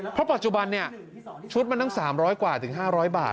เพราะปัจจุบันชุดมันตั้ง๓๐๐กว่าถึง๕๐๐บาท